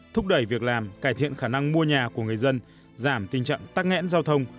thúc đẩy việc làm cải thiện khả năng mua nhà của người dân giảm tình trạng tắc nghẽn giao thông